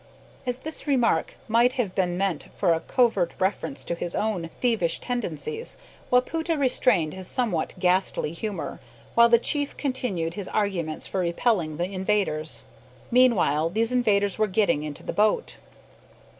As this remark might have been meant for a covert reference to his own thievish tendencies, Wapoota restrained his somewhat ghastly humour, while the chief continued his arrangements for repelling the invaders. Meanwhile, these invaders were getting into the boat.